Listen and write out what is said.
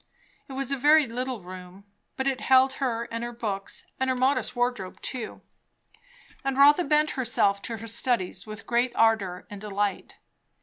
It was a very little room; but it held her and her books and her modest wardrobe too; and Rotha bent herself to her studies with great ardour and delight.